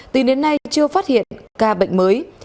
từ đến nay chưa phát hiện ca bệnh mới